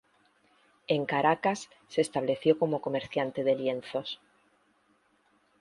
En Caracas se estableció como comerciante de lienzos.